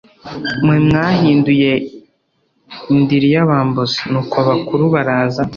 mwe mwayihinduye indiri y abambuzi Nuko abakuru baraza